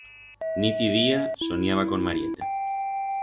Nit y día soniaba con Marieta.